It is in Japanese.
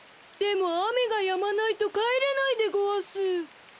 でもあめがやまないとかえれないでごわす。